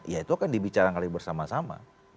ya itu akan dibicarakan bersama sama